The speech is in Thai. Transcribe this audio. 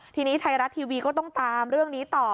ทีนี้ไทยรัฐทีวีก็ต้องตามเรื่องนี้ต่อ